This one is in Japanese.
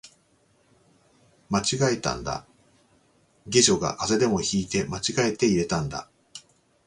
間違えたんだ、下女が風邪でも引いて間違えて入れたんだ